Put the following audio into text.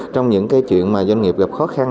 trong những cái chuyện mà doanh nghiệp gặp khó khăn